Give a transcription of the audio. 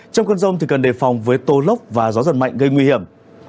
trong cơn rông cần đề phòng với tô lốc và gió giật mạnh gây nguy hiểm